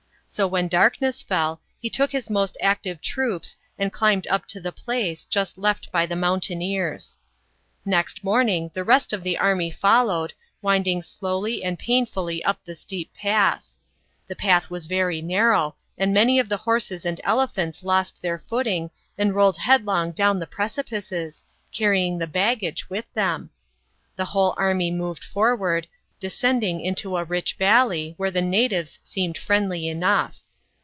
So when darkness fell, he took his most active troops, and climbed up to the place, just left by the mountaineers. Next morning, the rest of the army followed, winding slowly and painfully up the steep pass. The path was very narrow, and many of the horses and elephants lost their footing, and rolled headlong down the precipices, carrying the baggage with them. The whole army moved forward, descending into a rich valley, where the natives seemed friendly enough.